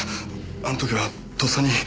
あの時はとっさに。